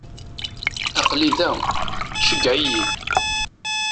Aql-i da, ceggeɛ-iyi.